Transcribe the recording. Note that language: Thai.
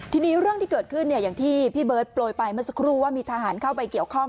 ทีนี้เรื่องที่เกิดขึ้นอย่างที่พี่เบิร์ตโปรยไปเมื่อสักครู่ว่ามีทหารเข้าไปเกี่ยวข้อง